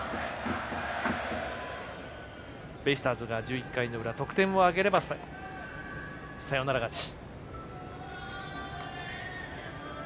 ベイスターズが１１回の裏得点を挙げればサヨナラ勝ち。